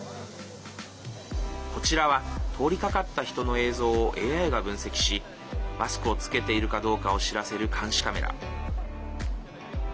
こちらは通りかかった人の映像をＡＩが分析しマスクを着けているかどうかを知らせる監視カメラ。